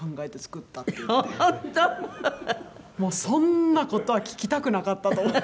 そんな事は聞きたくなかったと。